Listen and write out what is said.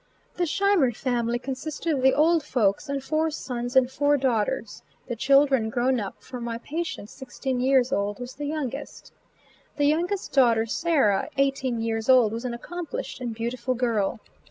The Scheimer family consisted of the "old folks" and four sons and four daughters, the children grown up, for my patient, sixteen years old, was the youngest. The youngest daughter, Sarah, eighteen years old, was an accomplished and beautiful girl.